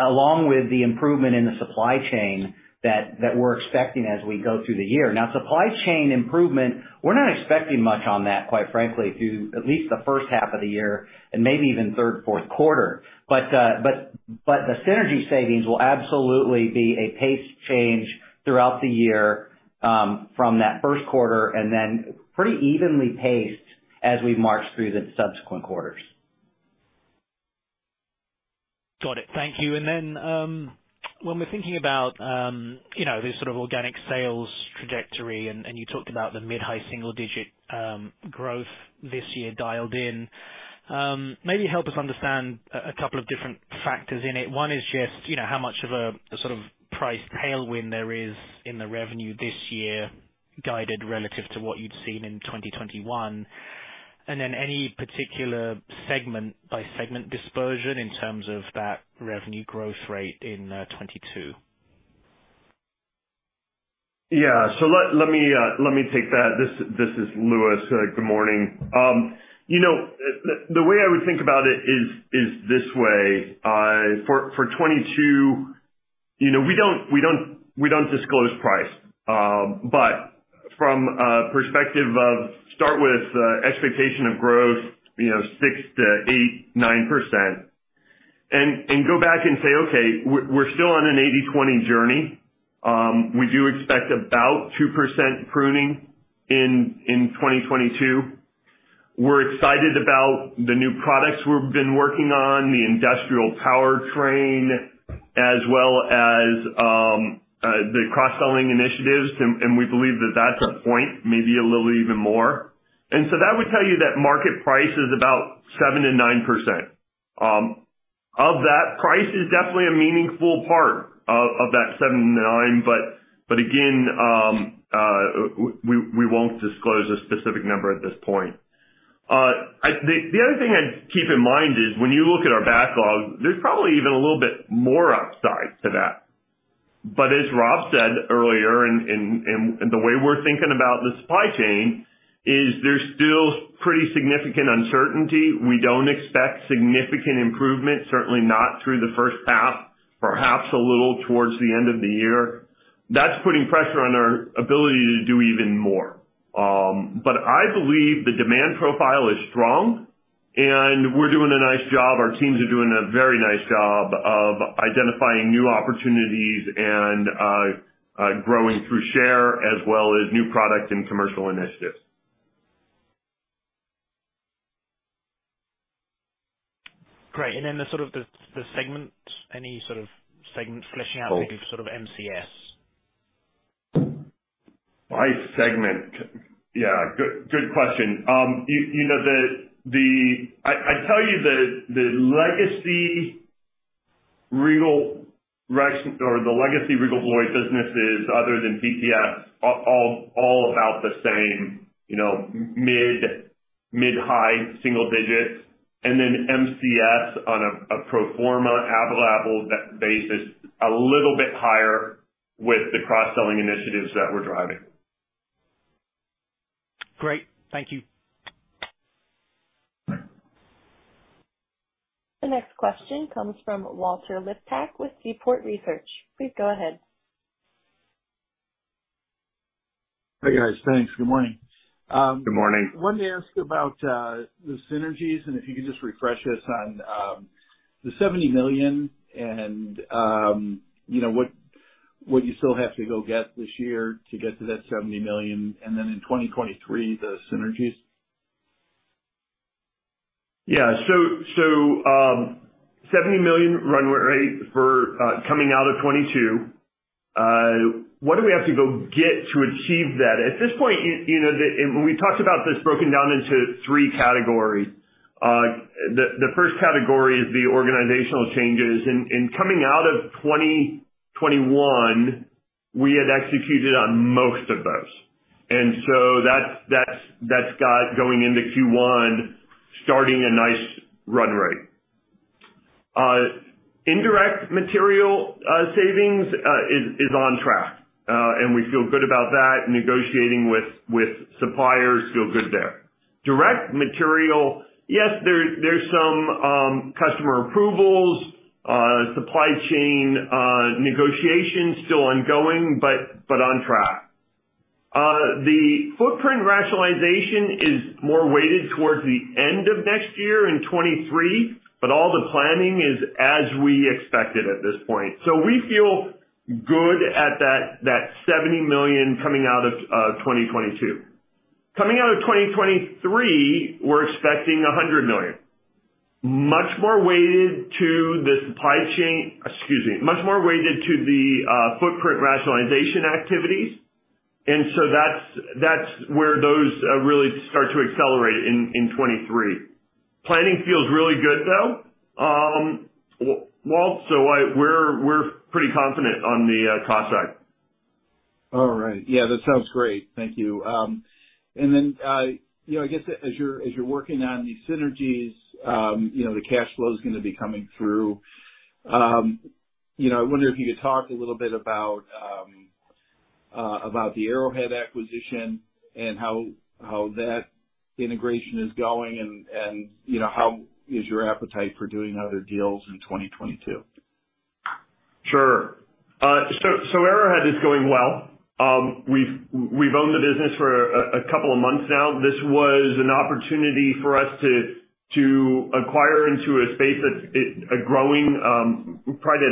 D: along with the improvement in the supply chain that we're expecting as we go through the year. Now, supply chain improvement, we're not expecting much on that, quite frankly, through at least the first half of the year and maybe even third, fourth quarter. The synergy savings will absolutely be a pace change throughout the year from that first quarter and then pretty evenly paced as we march through the subsequent quarters.
I: Got it. Thank you. Then, when we're thinking about, you know, the sort of organic sales trajectory, and you talked about the mid-high single digit growth this year dialed in, maybe help us understand a couple of different factors in it. One is just, you know, how much of a sort of price tailwind there is in the revenue this year guided relative to what you'd seen in 2021, and then any particular segment by segment dispersion in terms of that revenue growth rate in 2022.
C: Let me take that. This is Louis. Good morning. You know, the way I would think about it is this way, for 2022, you know, we don't disclose price. From a perspective of start with expectation of growth, you know, 6%-9%, and go back and say, "Okay, we're still on an 80/20 journey." We do expect about 2% pruning in 2022. We're excited about the new products we've been working on, the industrial powertrain, as well as the cross-selling initiatives. We believe that that's a point, maybe a little even more. That would tell you that market price is about 7%-9%. Of that, price is definitely a meaningful part of that 7%-9%, but again, we won't disclose a specific number at this point. I think the other thing I'd keep in mind is when you look at our backlog, there's probably even a little bit more upside to that. As Rob said earlier, in the way we're thinking about the supply chain, there's still pretty significant uncertainty. We don't expect significant improvement, certainly not through the first half, perhaps a little towards the end of the year. That's putting pressure on our ability to do even more. I believe the demand profile is strong and we're doing a nice job. Our teams are doing a very nice job of identifying new opportunities and growing through share as well as new product and commercial initiatives.
I: Great. The sort of segment, any sort of segment fleshing out maybe for sort of MCS.
C: By segment. Yeah. Good question. You know, I tell you the legacy Regal Beloit businesses other than MCS are all about the same, you know, mid-high single digits. Then MCS on a pro forma apples to apples basis, a little bit higher with the cross-selling initiatives that we're driving.
I: Great. Thank you.
A: The next question comes from Walter Liptak with Seaport Research Partners. Please go ahead.
J: Hey, guys. Thanks. Good morning.
C: Good morning.
J: wanted to ask about the synergies, and if you could just refresh us on the $70 million and, you know, what you still have to go get this year to get to that $70 million and then in 2023, the synergies.
C: $70 million run rate coming out of 2022. What do we have to go get to achieve that? At this point, you know, we talked about this broken down into three categories. The first category is the organizational changes. Coming out of 2021, we had executed on most of those. That's got going into Q1, starting a nice run rate. Indirect material savings is on track, and we feel good about that. Negotiating with suppliers feel good there. Direct material, yes, there's some customer approvals, supply chain negotiations still ongoing, but on track. The footprint rationalization is more weighted towards the end of next year in 2023, but all the planning is as we expected at this point. We feel good about that $70 million coming out of 2022. Coming out of 2023, we're expecting $100 million. Much more weighted to the supply chain. Excuse me, much more weighted to the footprint rationalization activities. That's where those really start to accelerate in 2023. Planning feels really good though, Walt, so we're pretty confident on the cost side.
J: All right. Yeah, that sounds great. Thank you. As you're working on these synergies, the cash flow's gonna be coming through. I wonder if you could talk a little bit about the Arrowhead acquisition and how that integration is going and how is your appetite for doing other deals in 2022?
C: Sure. Arrowhead is going well. We've owned the business for a couple of months now. This was an opportunity for us to acquire into a space that's a growing space, probably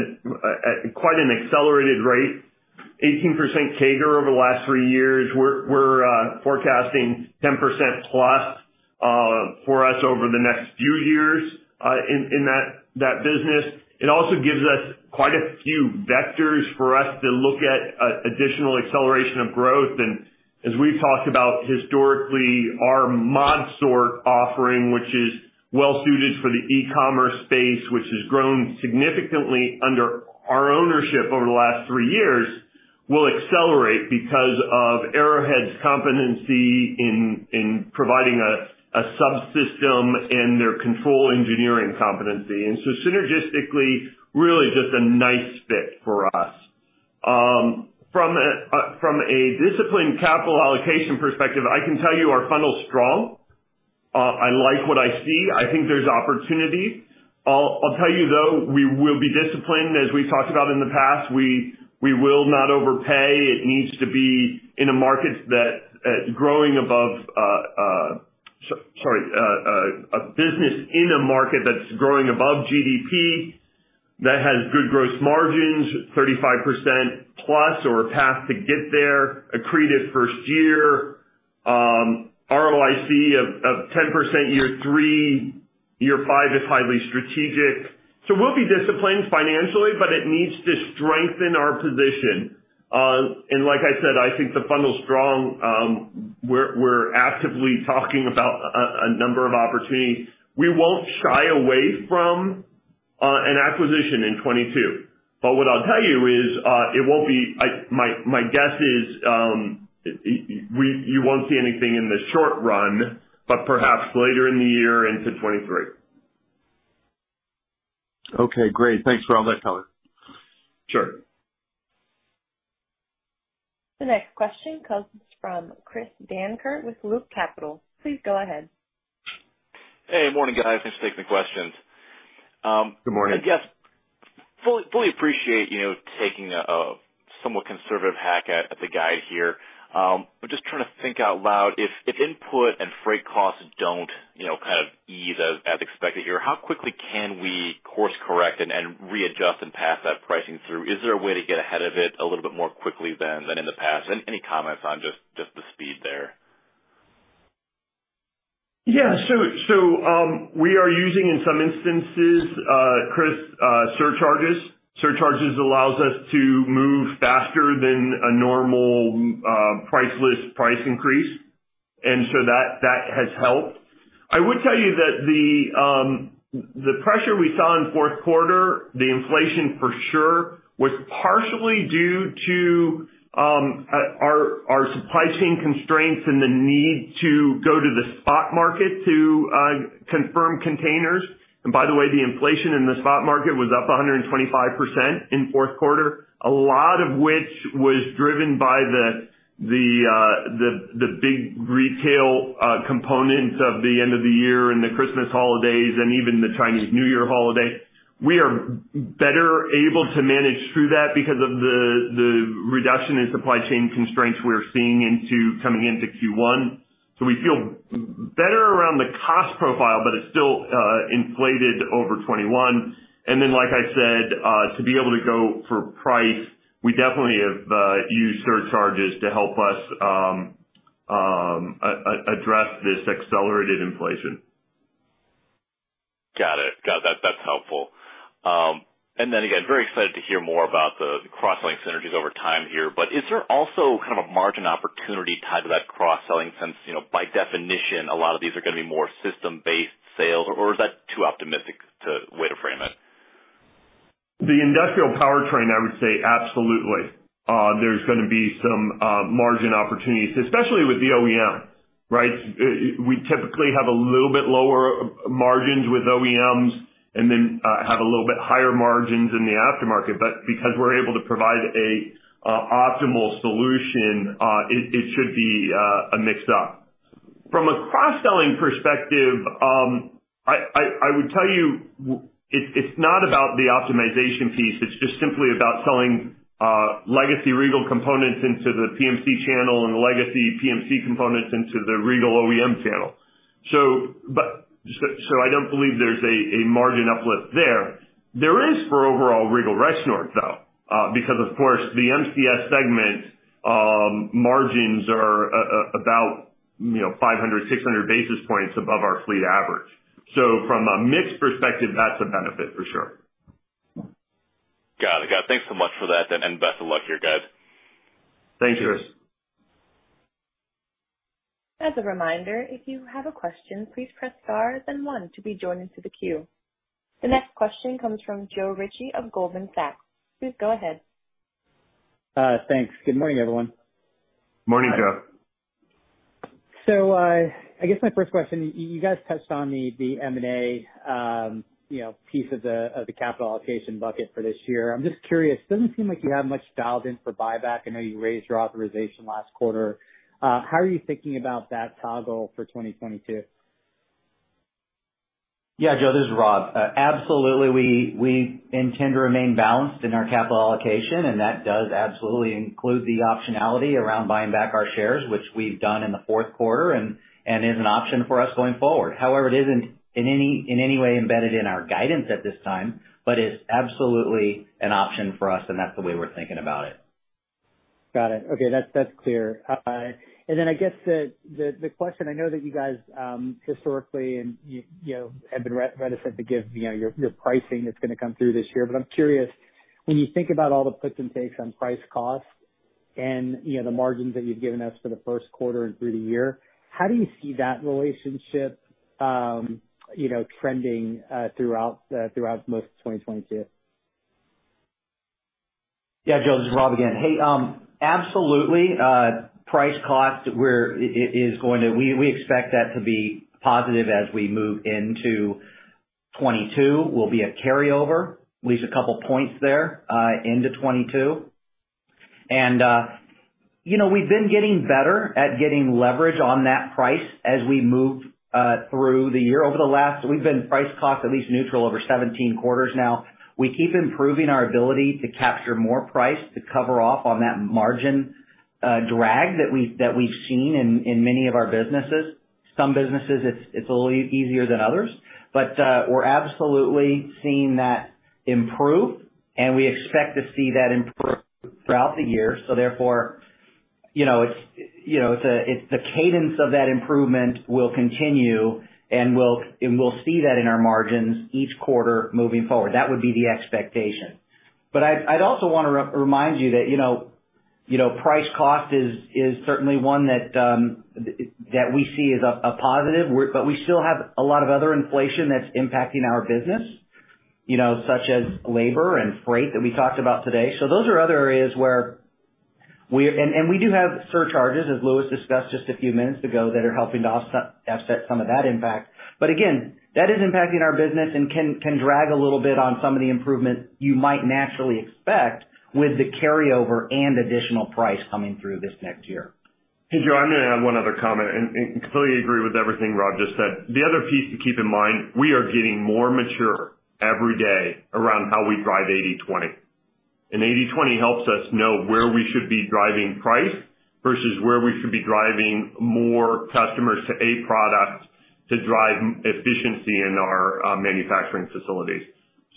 C: at quite an accelerated rate. 18% CAGR over the last three years. We're forecasting 10%+ for us over the next few years in that business. It also gives us quite a few vectors for us to look at additional acceleration of growth. As we've talked about historically, our ModSort offering, which is well suited for the e-commerce space, which has grown significantly under our ownership over the last three years, will accelerate because of Arrowhead's competency in providing a subsystem and their control engineering competency. Synergistically, really just a nice fit for us. From a disciplined capital allocation perspective, I can tell you our funnel's strong. I like what I see. I think there's opportunity. I'll tell you though, we will be disciplined. As we've talked about in the past, we will not overpay. It needs to be a business in a market that's growing above GDP, that has good gross margins, 35%+ or a path to get there. Accretive first year. ROIC of 10% year three. Year five is highly strategic. We'll be disciplined financially, but it needs to strengthen our position. Like I said, I think the funnel's strong. We're actively talking about a number of opportunities. We won't shy away from an acquisition in 2022, but what I'll tell you is, my guess is, you won't see anything in the short run, but perhaps later in the year into 2023.
J: Okay, great. Thanks for all that color.
C: Sure.
A: The next question comes from Chris Dankert with Loop Capital. Please go ahead.
K: Hey, morning, guys. Thanks for taking the questions.
C: Good morning.
K: I guess fully appreciate you know taking a somewhat conservative tack at the guide here. Just trying to think out loud, if input and freight costs don't you know kind of ease as expected here, how quickly can we course correct and readjust and pass that pricing through? Is there a way to get ahead of it a little bit more quickly than in the past? Any comments on just the speed there?
C: Yeah. We are using in some instances, Chris, surcharges. Surcharges allows us to move faster than a normal, price list price increase. That has helped. I would tell you that the pressure we saw in fourth quarter, the inflation for sure was partially due to our supply chain constraints and the need to go to the spot market to confirm containers. By the way, the inflation in the spot market was up 125% in fourth quarter. A lot of which was driven by the big retail component of the end of the year and the Christmas holidays and even the Chinese New Year holiday. We are better able to manage through that because of the reduction in supply chain constraints we're seeing coming into Q1. We feel better around the cost profile, but it's still inflated over 2021. Then, like I said, to be able to go for price, we definitely have used surcharges to help us address this accelerated inflation.
K: Got it. That's helpful. Very excited to hear more about the cross-selling synergies over time here. Is there also kind of a margin opportunity tied to that cross-selling since, you know, by definition, a lot of these are gonna be more system-based sales? Is that too optimistic a way to frame it?
C: The industrial powertrain, I would say absolutely, there's gonna be some margin opportunities, especially with the OEM, right? We typically have a little bit lower margins with OEMs and then have a little bit higher margins in the aftermarket. Because we're able to provide an optimal solution, it should be a mix up. From a cross-selling perspective, I would tell you it's not about the optimization piece, it's just simply about selling legacy Regal components into the PMC channel and the legacy PMC components into the Regal OEM channel. I don't believe there's a margin uplift there. There is for overall Regal Rexnord though, because of course, the MCS segment margins are about, you know, 500-600 basis points above our fleet average. From a mix perspective, that's a benefit for sure.
K: Got it. Thanks so much for that, and best of luck to you guys.
C: Thank you.
A: As a reminder, if you have a question, please press star then one to be joined into the queue. The next question comes from Joe Ritchie of Goldman Sachs. Please go ahead.
L: Thanks. Good morning, everyone.
C: Morning, Joe.
L: I guess my first question, you guys touched on the M&A, you know, piece of the capital allocation bucket for this year. I'm just curious, doesn't seem like you have much dialed in for buyback. I know you raised your authorization last quarter. How are you thinking about that toggle for 2022?
D: Yeah, Joe, this is Rob. Absolutely, we intend to remain balanced in our capital allocation, and that does absolutely include the optionality around buying back our shares, which we've done in the fourth quarter and is an option for us going forward. However, it isn't in any way embedded in our guidance at this time, but is absolutely an option for us, and that's the way we're thinking about it.
L: Got it. Okay, that's clear. I guess the question I know that you guys historically and you know have been reticent to give you know your pricing that's gonna come through this year, but I'm curious, when you think about all the puts and takes on price cost and you know the margins that you've given us for the first quarter and through the year, how do you see that relationship you know trending throughout most of 2022?
D: Yeah, Joe, this is Rob again. Hey, absolutely, price cost. We expect that to be positive as we move into 2022. It will be a carryover, at least a couple points there, into 2022. You know, we've been getting better at getting leverage on that price as we move through the year. We've been price cost at least neutral over 17 quarters now. We keep improving our ability to capture more price to cover off on that margin drag that we've seen in many of our businesses. Some businesses it's a little easier than others. We're absolutely seeing that improve, and we expect to see that improve throughout the year. Therefore, you know, it's the cadence of that improvement will continue, and we'll see that in our margins each quarter moving forward. That would be the expectation. I'd also want to remind you that, you know, price cost is certainly one that we see as a positive. But we still have a lot of other inflation that's impacting our business, you know, such as labor and freight that we talked about today. Those are other areas where we do have surcharges, as Louis discussed just a few minutes ago, that are helping to offset some of that impact. Again, that is impacting our business and can drag a little bit on some of the improvements you might naturally expect with the carryover and additional price coming through this next year.
C: Hey, Joe, I'm gonna add one other comment and completely agree with everything Rob just said. The other piece to keep in mind, we are getting more mature every day around how we drive 80/20. 80/20 helps us know where we should be driving price versus where we should be driving more customers to A products to drive mix efficiency in our manufacturing facilities.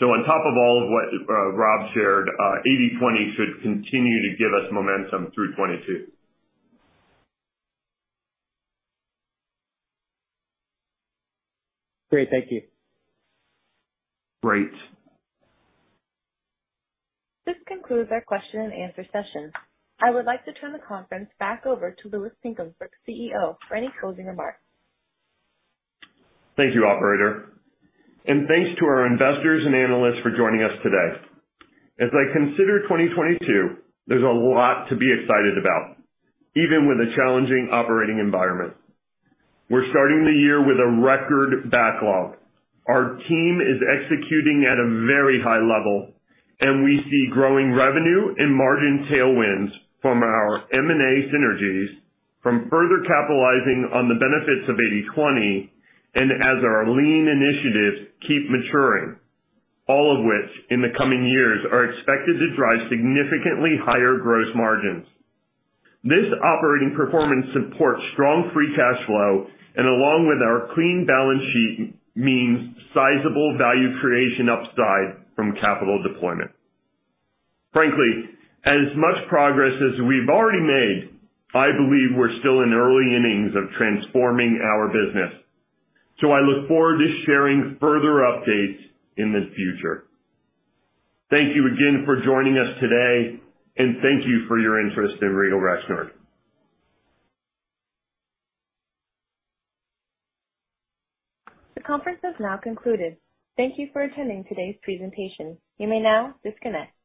C: On top of all of what Rob shared, 80/20 should continue to give us momentum through 2022.
L: Great. Thank you.
C: Great.
A: This concludes our question and answer session. I would like to turn the conference back over to Louis Pinkham, CEO, for any closing remarks.
C: Thank you, operator. Thanks to our investors and analysts for joining us today. As I consider 2022, there's a lot to be excited about, even with a challenging operating environment. We're starting the year with a record backlog. Our team is executing at a very high level, and we see growing revenue and margin tailwinds from our M&A synergies from further capitalizing on the benefits of 80/20 and as our lean initiatives keep maturing. All of which, in the coming years, are expected to drive significantly higher gross margins. This operating performance supports strong free cash flow and, along with our clean balance sheet, means sizable value creation upside from capital deployment. Frankly, as much progress as we've already made, I believe we're still in early innings of transforming our business. I look forward to sharing further updates in the future. Thank you again for joining us today, and thank you for your interest in Regal Rexnord.
A: The conference has now concluded. Thank you for attending today's presentation. You may now disconnect.